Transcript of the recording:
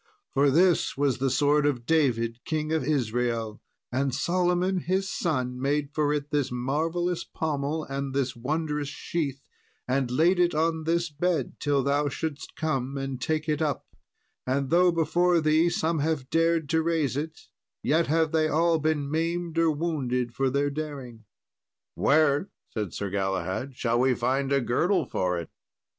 For this was the sword of David, King of Israel, and Solomon his son made for it this marvellous pommel and this wondrous sheath, and laid it on this bed till thou shouldest come and take it up; and though before thee some have dared to raise it, yet have they all been maimed or wounded for their daring." "Where," said Sir Galahad, "shall we find a girdle for it?"